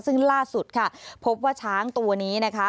ซึ่งล่าสุดค่ะพบว่าช้างตัวนี้นะคะ